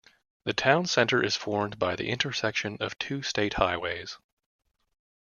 The town center is formed by the intersection of two state highways.